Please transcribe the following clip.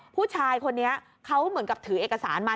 ผู้ชายคนนี้เขาเหมือนกับถือเอกสารมา